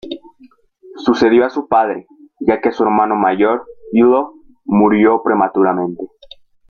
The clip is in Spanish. Sucedió a su padre, ya que su hermano mayor Ilo murió prematuramente.